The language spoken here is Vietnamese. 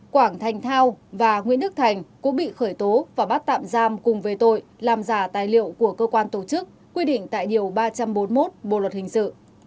quảng thành thao và nguyễn đức thành cũng bị khởi tố và bắt tạm giam cùng về tội làm giả tài liệu của cơ quan tổ chức quy định tại điều ba trăm bốn mươi một bộ luật hình sự